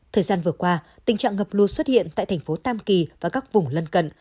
thời gian vừa qua tình trạng ngập lụt xuất hiện tại thành phố tam kỳ và các vùng lân cận